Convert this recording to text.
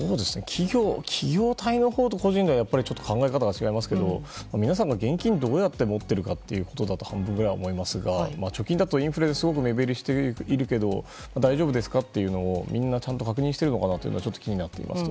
企業体と個人では考え方が違いますけど皆さんが現金をどうやって持ってるかということだと半分思いますが貯金だとインフレですごく目減りしているけど大丈夫ですかというのをみんな確認しているのかちょっと気になっています。